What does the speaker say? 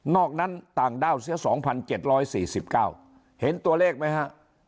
อกนั้นต่างด้าวเสีย๒๗๔๙เห็นตัวเลขไหมฮะ